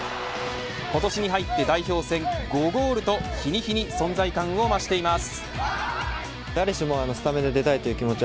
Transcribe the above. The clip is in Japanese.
今年に入って代表戦５ゴールと日に日に存在感を増しています。